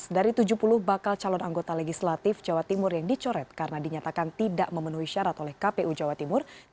dari tujuh puluh bakal calon anggota legislatif jawa timur yang dicoret karena dinyatakan tidak memenuhi syarat oleh kpu jawa timur